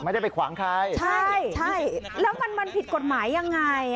ไม่ได้ไปขวางใครใช่แล้วมันผิดกฎหมายอย่างไร